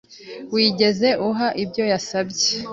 Wigeze uha ibyo yasabye?